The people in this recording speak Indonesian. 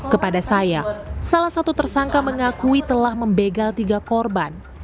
kepada saya salah satu tersangka mengakui telah membegal tiga korban